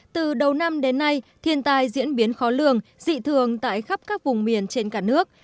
từ đầu năm đến nay thiên tai diễn biến khó lường dị thường tại khắp các vùng miền trên cả nước